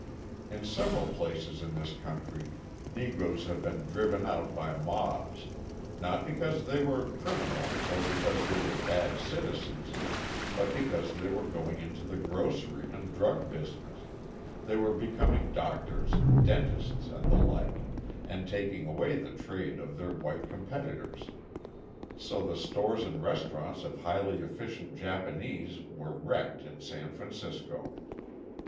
In several places in this country Negroes have been driven out by mobs not because they were criminal, or because they were bad citizens, but because they were going into the grocery and drug business, they were becoming doctors, dentists, and the like, and taking away the trade of their white competitors. So the stores and restaurants of highly efficient Japanese were wrecked in San Francisco.